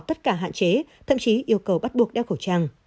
tất cả hạn chế thậm chí yêu cầu bắt buộc đeo khẩu trang